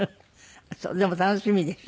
でも楽しみでしょ。